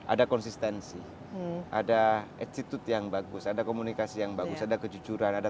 ada konsistensi ada attitude yang bagus ada komunikasi yang bagus ada kejujuran ada